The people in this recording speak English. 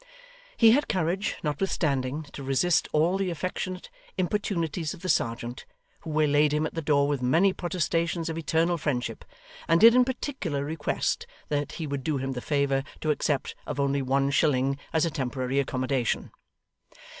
He had courage, notwithstanding, to resist all the affectionate importunities of the serjeant, who waylaid him at the door with many protestations of eternal friendship, and did in particular request that he would do him the favour to accept of only one shilling as a temporary accommodation.